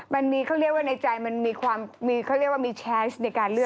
มันมีเขาเรียกว่าในใจมันมีความสในการเลือก